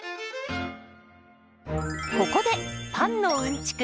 ここでパンのうんちく